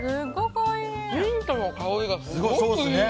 ミントの香りがすごくいい。